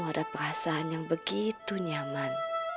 ada perasaan yang begitu nyaman